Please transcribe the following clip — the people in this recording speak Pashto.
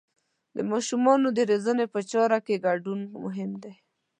د ماشومانو د روزنې په چارو کې ګډون مهم دی.